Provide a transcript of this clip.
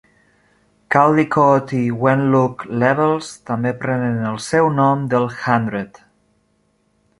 Caldicot i Wentloog Levels també prenen el seu nom del Hundred.